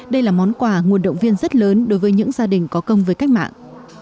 đây là món quà nguồn động viên rất lớn đối với những gia đình có công với cách mạng